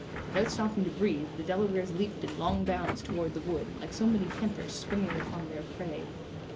Without stopping to breathe, the Delawares leaped in long bounds toward the wood, like so many panthers springing upon their prey.